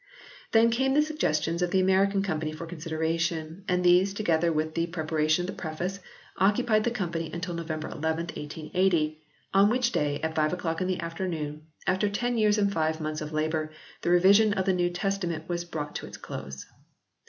Then came the suggestions of the American Company for consideration, and these, together with the preparation of the preface, occupied the Company until November llth, 1880, on which day, at five o clock in the afternoon, after ten years and five months of labour, the revision of the New Testament was brought to its close.